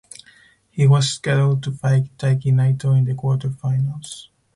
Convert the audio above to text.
He was scheduled to fight Taiki Naito in the quarterfinals.